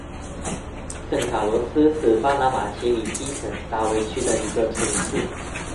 圣卡洛斯是巴拿马奇里基省大卫区的一个城市。